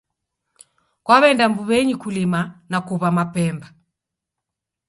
Kwaw'eenda mbuw'enyi kulima na kuw'a mapemba.